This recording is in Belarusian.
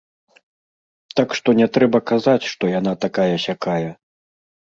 Так што не трэба казаць, што яна такая-сякая.